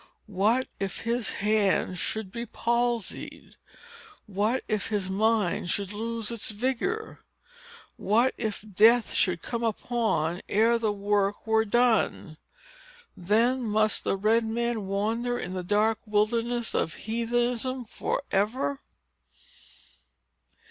What if his hands should be palsied? What if his mind should lose its vigor? What if death should come upon him, ere the work were done? Then must the red man wander in the dark wilderness of heathenism for ever.